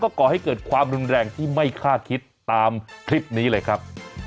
ก่อให้เกิดความรุนแรงที่ไม่คาดคิดตามคลิปนี้เลยครับ